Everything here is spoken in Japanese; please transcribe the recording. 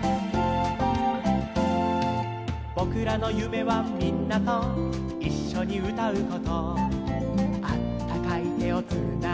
「ぼくらのゆめはみんなといっしょにうたうこと」「あったかいてをつなぎ」